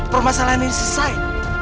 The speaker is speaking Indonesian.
permasalahan ini selesai